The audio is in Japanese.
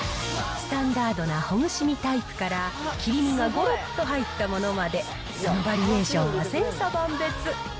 スタンダードなほぐし身タイプから、切り身がごろっと入ったものまで、そのバリエーションは千差万別。